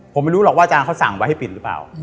ผมไม่รู้หรอกว่าอาจารย์เขาสั่งไว้ให้ปิดหรือเปล่า